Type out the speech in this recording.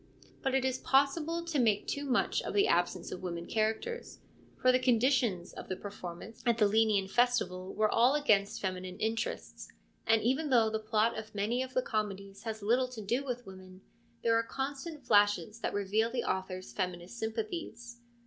But it is possible to make too much of the absence of women characters, for the conditions of per formance at the Lenaean festival were all against feminine interests, and even though the plot of many of the comedies has little to do with women, there are constant flashes that reveal the author's feminist sympathies.